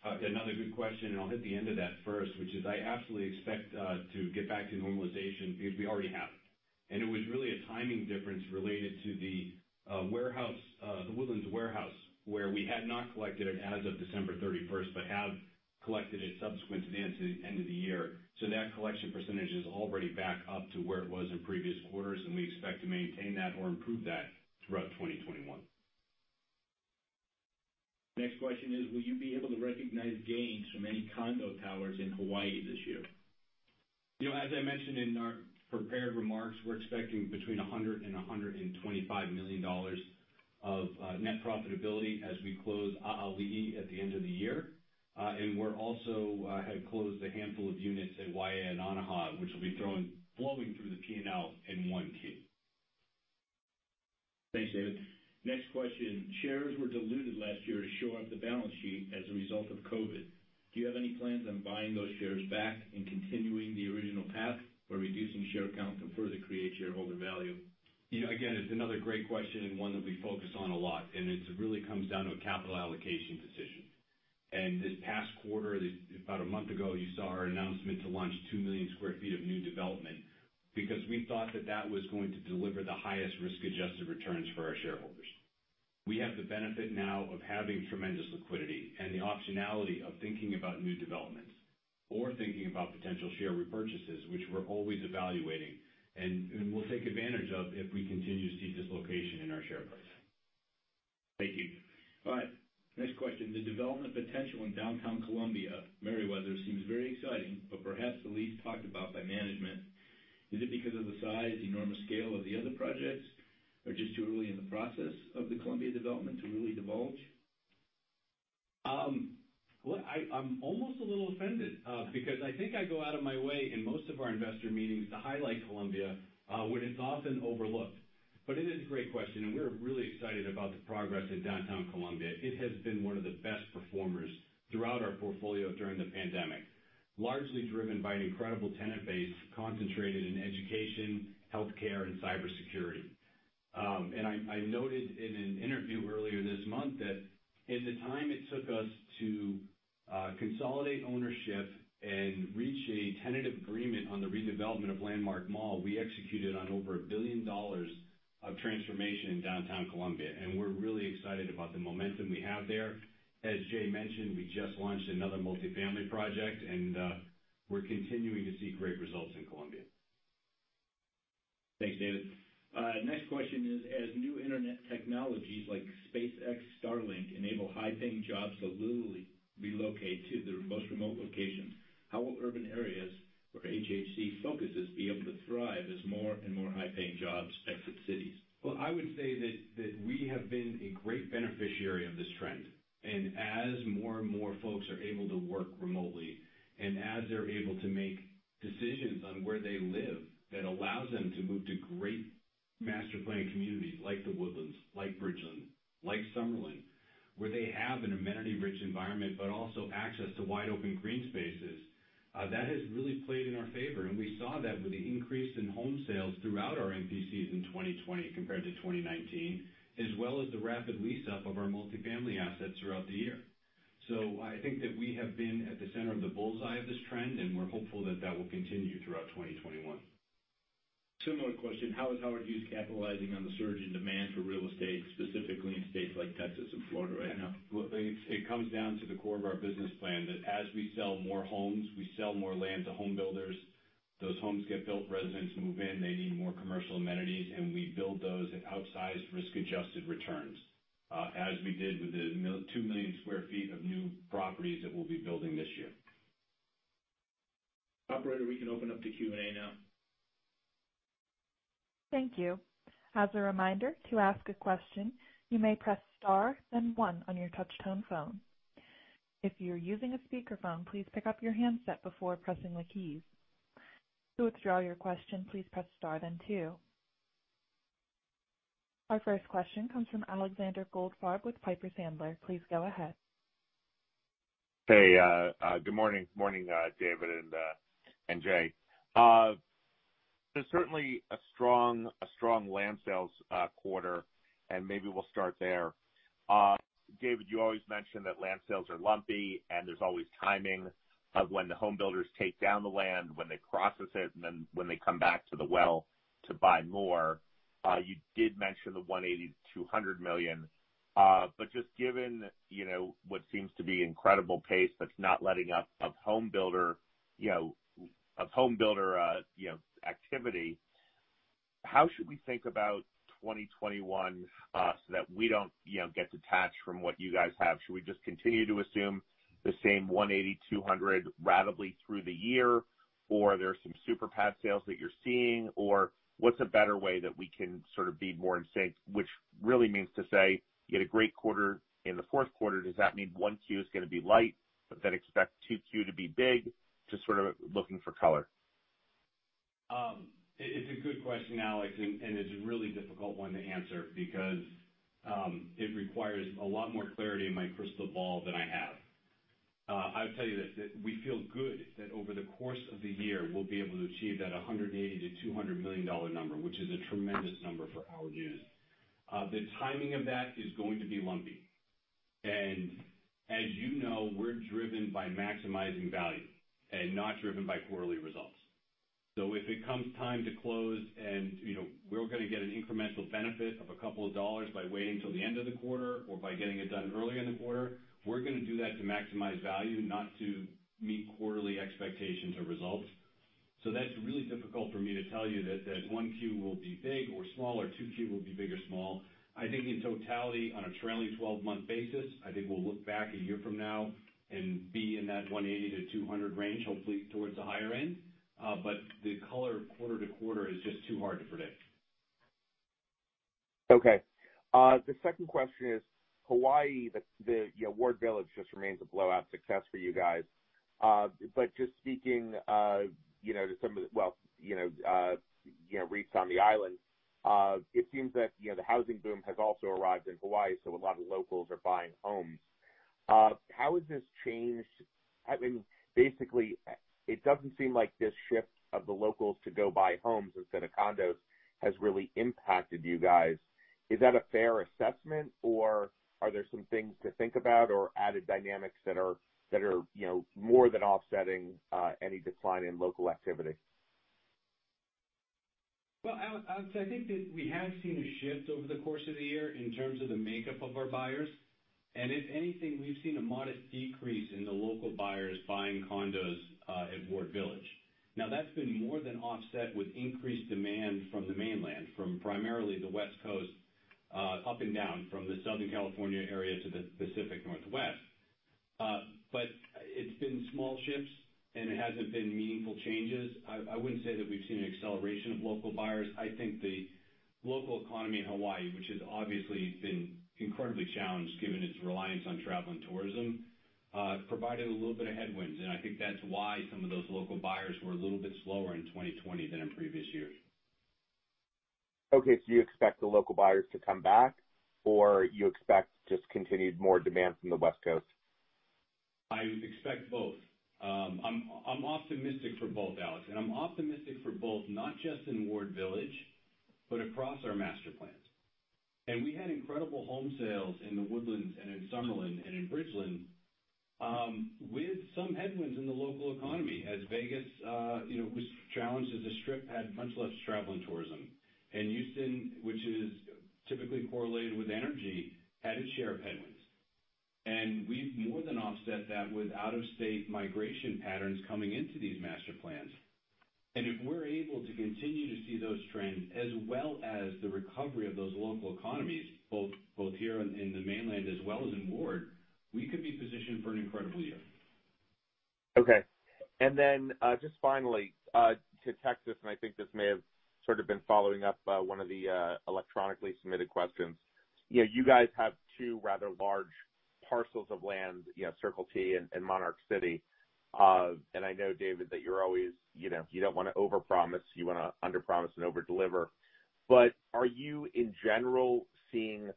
Okay. I'll hit the end of that first, which is I absolutely expect to get back to normalization because we already have. It was really a timing difference related to The Woodlands Warehouse, where we had not collected it as of December 31st but have collected it subsequent to the end of the year. That collection percentage is already back up to where it was in previous quarters, and we expect to maintain that or improve that throughout 2021. Next question is, "Will you be able to recognize gains from any condo towers in Hawaii this year? As I mentioned in our prepared remarks, we're expecting between $100 million and $125 million of net profitability as we close ʻAʻaliʻi at the end of the year. We also have closed a handful of units at Waiea and Anaha, which will be flowing through the P&L in 1Q. Thanks, David. Next question. Shares were diluted last year to shore up the balance sheet as a result of COVID. Do you have any plans on buying those shares back and continuing the original path for reducing share count to further create shareholder value? Again, it's another great question and one that we focus on a lot, and it really comes down to a capital allocation decision. This past quarter, about a month ago, you saw our announcement to launch 2 million square feet of new development because we thought that that was going to deliver the highest risk-adjusted returns for our shareholders. We have the benefit now of having tremendous liquidity and the optionality of thinking about new developments or thinking about potential share repurchases, which we're always evaluating and will take advantage of if we continue to see dislocation in our share price. Thank you. All right. Next question. "The development potential in downtown Columbia, Merriweather, seems very exciting, but perhaps the least talked about by management. Is it because of the size, the enormous scale of the other projects, or just too early in the process of the Columbia development to really divulge? I'm almost a little offended because I think I go out of my way in most of our investor meetings to highlight Columbia when it's often overlooked. It is a great question, and we're really excited about the progress in Downtown Columbia. It has been one of the best performers throughout our portfolio during the pandemic, largely driven by an incredible tenant base concentrated in education, healthcare, and cybersecurity. I noted in an interview earlier this month that in the time it took us to consolidate ownership and reach a tentative agreement on the redevelopment of Landmark Mall, we executed on over $1 billion of transformation in Downtown Columbia, and we're really excited about the momentum we have there. As Jay mentioned, we just launched another multifamily project, and we're continuing to see great results in Columbia. Thanks, David. Next question is, "As new internet technologies like SpaceX Starlink enable high-paying jobs to literally relocate to the most remote locations, how will urban areas where HHC focuses be able to thrive as more and more high-paying jobs exit cities? I would say that we have been a great beneficiary of this trend. As more and more folks are able to work remotely and as they're able to make decisions on where they live, that allows them to move to great master-planned communities like The Woodlands, like Bridgeland, like Summerlin, where they have an amenity-rich environment, but also access to wide-open green spaces. That has really played in our favor, and we saw that with the increase in home sales throughout our MPCs in 2020 compared to 2019, as well as the rapid lease-up of our multifamily assets throughout the year. I think that we have been at the center of the bullseye of this trend, and we're hopeful that that will continue throughout 2021. Similar question. How is Howard Hughes capitalizing on the surge in demand for real estate, specifically in states like Texas and Florida right now? Well, it comes down to the core of our business plan, that as we sell more homes, we sell more land to home builders. Those homes get built, residents move in, they need more commercial amenities. We build those at outsized risk-adjusted returns, as we did with the 2 million square feet of new properties that we'll be building this year. Operator, we can open up the Q&A now. Thank you. Our first question comes from Alexander Goldfarb with Piper Sandler. Please go ahead. Hey, good morning. Good morning, David and Jay. There's certainly a strong land sales quarter, and maybe we'll start there. David, you always mention that land sales are lumpy and there's always timing of when the home builders take down the land, when they process it, and then when they come back to the well to buy more. You did mention the $180 million-$200 million. Just given what seems to be incredible pace that's not letting up of home builder activity, how should we think about 2021 so that we don't get detached from what you guys have? Should we just continue to assume the same $180, $200 ratably through the year? Are there some super pad sales that you're seeing? What's a better way that we can sort of be more in sync, which really means to say you had a great quarter in the fourth quarter. Does that mean 1Q is going to be light, but expect 2Q to be big? Just sort of looking for color. It's a good question, Alex, and it's a really difficult one to answer because it requires a lot more clarity in my crystal ball than I have. I would tell you this, that we feel good that over the course of the year, we'll be able to achieve that $180 million-$200 million number, which is a tremendous number for Howard Hughes. The timing of that is going to be lumpy. As you know, we're driven by maximizing value and not driven by quarterly results. If it comes time to close and we're going to get an incremental benefit of a couple of dollars by waiting till the end of the quarter or by getting it done early in the quarter, we're going to do that to maximize value, not to meet quarterly expectations or results. That's really difficult for me to tell you that 1Q will be big or small, or 2Q will be big or small. I think in totality, on a trailing 12-month basis, I think we'll look back a year from now and be in that 180-200 range, hopefully towards the higher end. The color quarter-to-quarter is just too hard to predict. Okay. The second question is Hawaii. The Ward Village just remains a blowout success for you guys. Just speaking to some of the, well, REITs on the island, it seems that the housing boom has also arrived in Hawaii, so a lot of locals are buying homes. I mean, basically, it doesn't seem like this shift of the locals to go buy homes instead of condos has really impacted you guys. Is that a fair assessment, or are there some things to think about or added dynamics that are more than offsetting any decline in local activity? Alex, I think that we have seen a shift over the course of the year in terms of the makeup of our buyers. If anything, we've seen a modest decrease in the local buyers buying condos at Ward Village. That's been more than offset with increased demand from the mainland, from primarily the West Coast up and down from the Southern California area to the Pacific Northwest. It's been small shifts, and it hasn't been meaningful changes. I wouldn't say that we've seen an acceleration of local buyers. I think the local economy in Hawaii, which has obviously been incredibly challenged given its reliance on travel and tourism provided a little bit of headwinds, and I think that's why some of those local buyers were a little bit slower in 2020 than in previous years. Okay. You expect the local buyers to come back, or you expect just continued more demand from the West Coast? I expect both. I'm optimistic for both, Alex, I'm optimistic for both not just in Ward Village, but across our master plans. We had incredible home sales in The Woodlands and in Summerlin and in Bridgeland with some headwinds in the local economy as Vegas was challenged as the Strip had much less travel and tourism. Houston, which is typically correlated with energy, had its share of headwinds. We've more than offset that with out-of-state migration patterns coming into these master plans. If we're able to continue to see those trends as well as the recovery of those local economies, both here in the mainland as well as in Ward, we could be positioned for an incredible year. Okay. Just finally to Texas, I think this may have sort of been following up one of the electronically submitted questions. You guys have two rather large parcels of land, Circle T and Monarch City. I know, David, that you don't want to overpromise. You want to underpromise and overdeliver. Are you in general seeing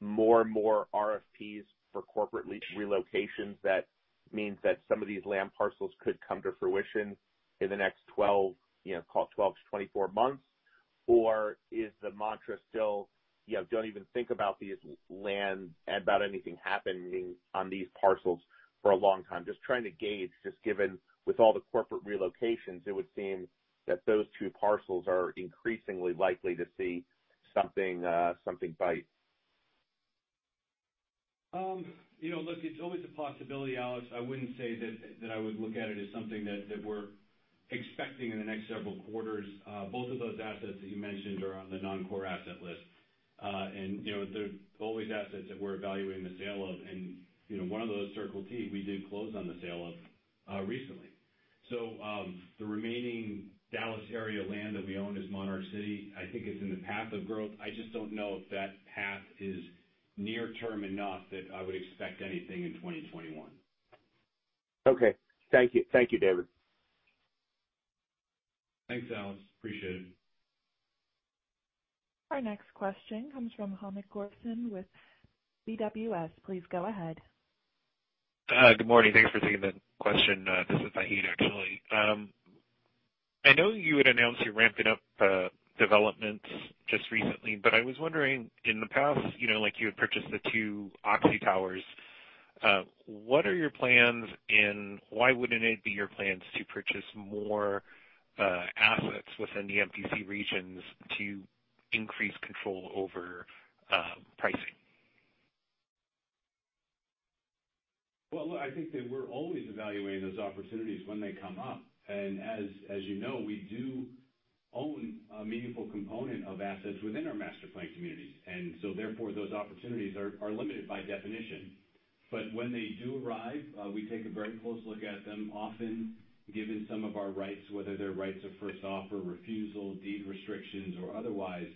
more and more RFPs for corporate relocations, that means that some of these land parcels could come to fruition in the next 12-24 months. Is the mantra still, don't even think about these lands, about anything happening on these parcels for a long time? Just trying to gauge, just given with all the corporate relocations, it would seem that those two parcels are increasingly likely to see something bite. It's always a possibility, Alex. I wouldn't say that I would look at it as something that we're expecting in the next several quarters. Both of those assets that you mentioned are on the non-core asset list. They're always assets that we're evaluating the sale of. One of those, Circle T, we did close on the sale of recently. The remaining Dallas area land that we own is Monarch City. I think it's in the path of growth. I just don't know if that path is near-term enough that I would expect anything in 2021. Okay. Thank you, David. Thanks, Alex. Appreciate it. Our next question comes from Hamed Khorsand with BWS. Please go ahead. Good morning. Thanks for taking the question. This is Vahid, actually. I know you had announced you're ramping up developments just recently, but I was wondering, in the past, like you had purchased the two Oxy towers. What are your plans and why wouldn't it be your plans to purchase more assets within the MPC regions to increase control over pricing? Well, look, I think that we're always evaluating those opportunities when they come up. As you know, we do own a meaningful component of assets within our master-planned community. Therefore, those opportunities are limited by definition. When they do arrive, we take a very close look at them. Often, given some of our rights, whether they're rights of first offer, refusal, deed restrictions, or otherwise,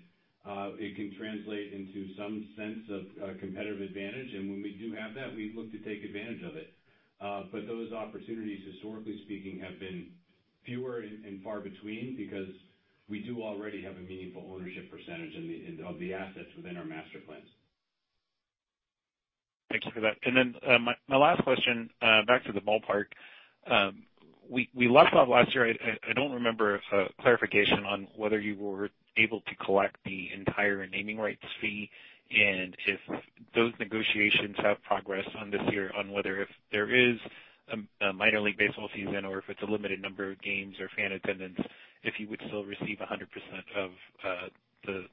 it can translate into some sense of competitive advantage. When we do have that, we look to take advantage of it. Those opportunities, historically speaking, have been fewer and far between because we do already have a meaningful ownership percentage of the assets within our master plans. Thank you for that. My last question, back to the ballpark. We last talked last year. I don't remember a clarification on whether you were able to collect the entire naming rights fee and if those negotiations have progress on this year on whether if there is a Minor League Baseball season or if it's a limited number of games or fan attendance, if you would still receive 100% of the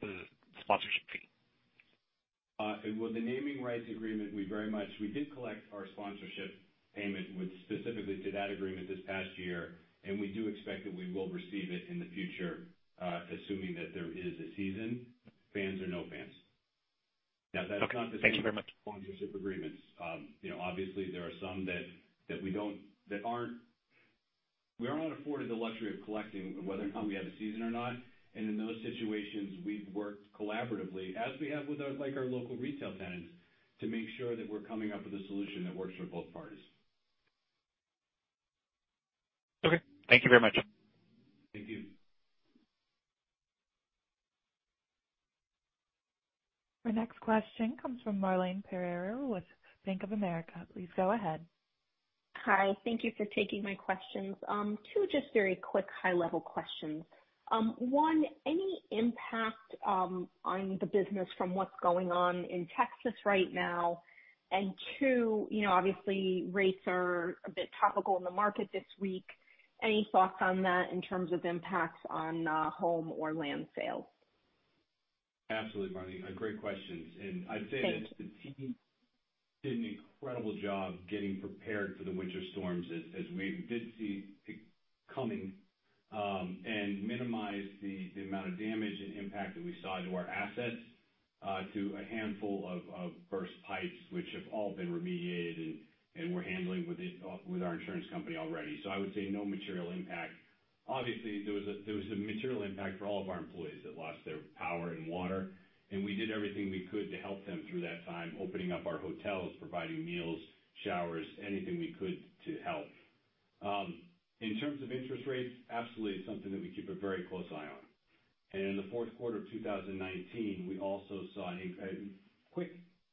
sponsorship fee? With the naming rights agreement, we did collect our sponsorship payment specifically to that agreement this past year, we do expect that we will receive it in the future, assuming that there is a season, fans or no fans. Okay. Thank you very much the same as sponsorship agreements. Obviously, there are some that we are not afforded the luxury of collecting whether or not we have a season or not. In those situations, we've worked collaboratively, as we have with our local retail tenants, to make sure that we're coming up with a solution that works for both parties. Okay. Thank you very much. Thank you. Our next question comes from Marlane Pereiro with Bank of America. Please go ahead. Hi. Thank you for taking my questions. Two just very quick high-level questions. One, any impact on the business from what's going on in Texas right now? Two, obviously, rates are a bit topical in the market this week. Any thoughts on that in terms of impacts on home or land sales? Absolutely, Marlane. Great questions. Thanks. I'd say that the team did an incredible job getting prepared for the winter storms as we did see it coming, and minimized the amount of damage and impact that we saw to our assets to a handful of burst pipes, which have all been remediated and we're handling with our insurance company already. I would say no material impact. Obviously, there was a material impact for all of our employees that lost their power and water, and we did everything we could to help them through that time, opening up our hotels, providing meals, showers, anything we could to help. In terms of interest rates, absolutely it's something that we keep a very close eye on. In the fourth quarter of 2019, we also saw a quick,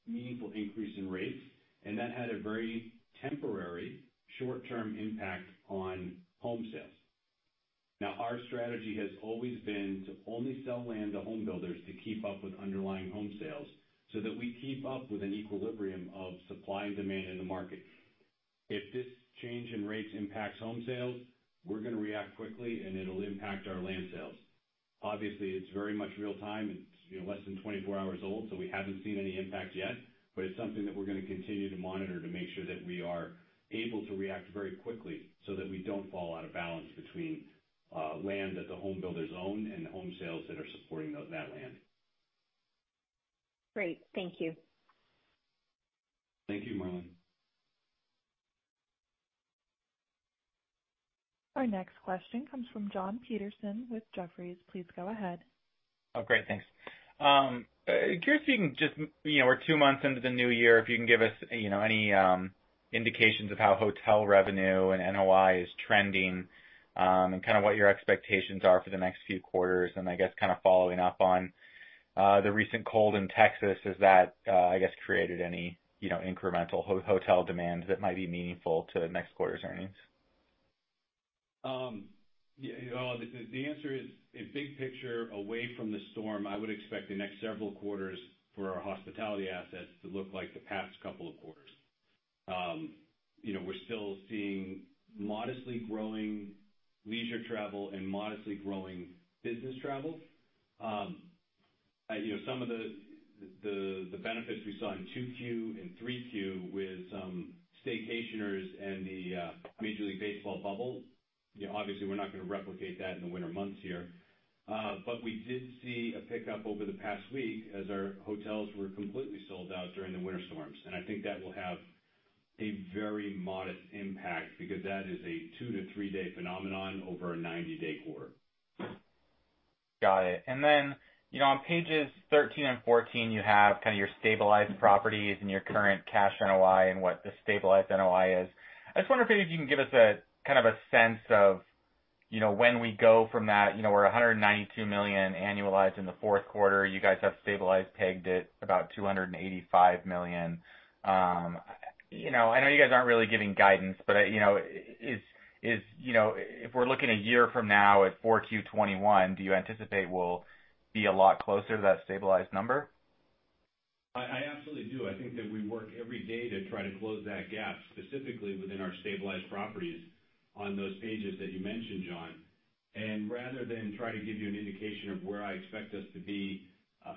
meaningful increase in rates, and that had a very temporary short-term impact on home sales. Our strategy has always been to only sell land to home builders to keep up with underlying home sales so that we keep up with an equilibrium of supply and demand in the market. If this change in rates impacts home sales, we're going to react quickly, and it'll impact our land sales. Obviously, it's very much real time and less than 24 hours old, so we haven't seen any impact yet, but it's something that we're going to continue to monitor to make sure that we are able to react very quickly so that we don't fall out of balance between land that the home builders own and the home sales that are supporting that land. Great. Thank you. Thank you, Marlane. Our next question comes from Jon Petersen with Jefferies. Please go ahead. Oh, great. Thanks. Curious if you can just We're two months into the new year, if you can give us any indications of how hotel revenue and NOI is trending, and what your expectations are for the next few quarters. I guess following up on the recent cold in Texas, has that, I guess, created any incremental hotel demand that might be meaningful to the next quarter's earnings? Yeah. The answer is, big picture, away from the storm, I would expect the next several quarters for our hospitality assets to look like the past couple of quarters. We're still seeing modestly growing leisure travel and modestly growing business travel. Some of the benefits we saw in Q2 and Q3 with staycationers and the Major League Baseball bubble, obviously we're not going to replicate that in the winter months here. We did see a pickup over the past week as our hotels were completely sold out during the winter storms, and I think that will have a very modest impact because that is a two-to-three-day phenomenon over a 90-day quarter. Got it. On pages 13 and 14, you have your stabilized properties and your current cash NOI and what the stabilized NOI is. I just wonder if maybe you can give us a sense of when we go from that, we're $192 million annualized in the fourth quarter. You guys have stabilized, pegged at about $285 million. I know you guys aren't really giving guidance, but if we're looking a year from now at Q4 2021, do you anticipate we'll be a lot closer to that stabilized number? I absolutely do. I think that we work every day to try to close that gap, specifically within our stabilized properties on those pages that you mentioned, Jon. Rather than try to give you an indication of where I expect us to be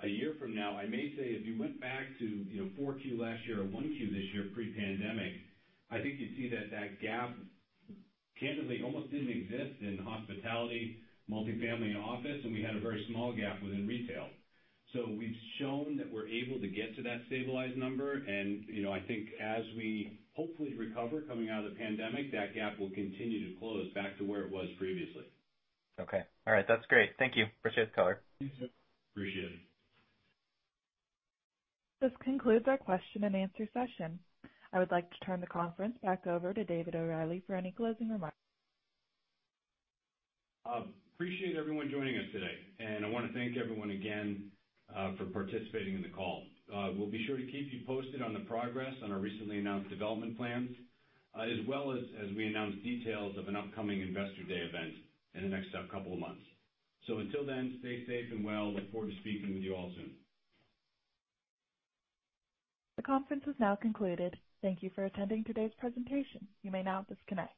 a year from now, I may say if you went back to Q4 last year or Q1 this year pre-pandemic, I think you'd see that that gap candidly almost didn't exist in hospitality, multifamily, and office, and we had a very small gap within retail. We've shown that we're able to get to that stabilized number, and I think as we hopefully recover coming out of the pandemic, that gap will continue to close back to where it was previously. Okay. All right. That's great. Thank you. Appreciate the color. Mm-hmm. Appreciate it. This concludes our question and answer session. I would like to turn the conference back over to David O'Reilly for any closing remarks. Appreciate everyone joining us today, and I want to thank everyone again for participating in the call. We'll be sure to keep you posted on the progress on our recently announced development plans, as well as we announce details of an upcoming Investor Day event in the next couple of months. Until then, stay safe and well. Look forward to speaking with you all soon. The conference is now concluded. Thank you for attending today's presentation. You may now disconnect.